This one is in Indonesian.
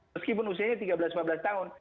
meskipun usianya tiga belas lima belas tahun